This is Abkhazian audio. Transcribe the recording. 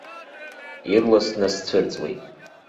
Ирласны сцәырҵуеит.